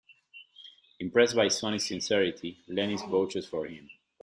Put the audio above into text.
Impressed by Sonny's sincerity, Lenny vouches for him.